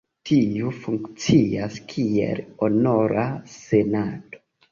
Tiuj funkcias kiel honora senato.